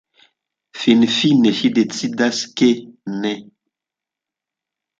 Finfine ŝi decidas, ke «Ne.